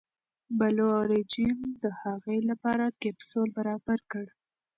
بلو اوریجن د هغې لپاره کپسول برابر کړ.